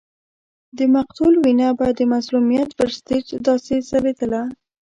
د مقتول وینه به د مظلومیت پر سټېج داسې ځلېدله.